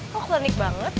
kok klinik banget